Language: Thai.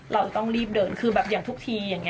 เราต้องรีบเดินคือแบบอย่างทุกทีอย่างนี้